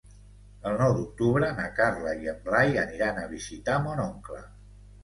El nou d'octubre na Carla i en Blai aniran a visitar mon oncle.